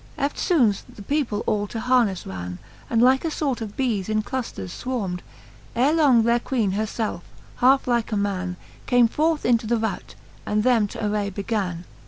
Eftibones the people all to harnefle ran. And like a fort of bees in clufters fwarmed ; Ere long their Queene her felfe, arm'd like a man, Came forth into the rout, and them t'array began.